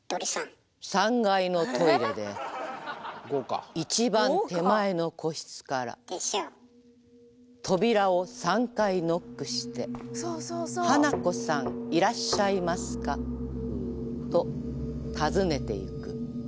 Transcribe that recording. ３階のトイレで一番手前の個室から扉を３回ノックして「花子さんいらっしゃいますか？」と尋ねていく。